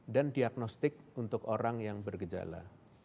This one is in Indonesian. dan diagnostik untuk orang yang bergejala